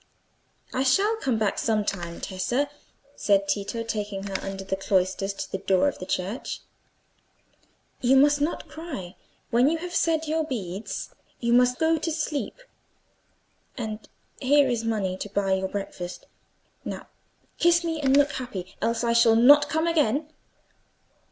"I shall come back some time, Tessa," said Tito, taking her under the cloisters to the door of the church. "You must not cry—you must go to sleep, when you have said your beads. And here is money to buy your breakfast. Now kiss me, and look happy, else I shall not come again."